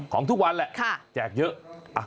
ของทุกวันแหละแจกเยอะ